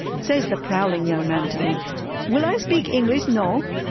Says the prowling young man to me "Will I speak Inglis No?"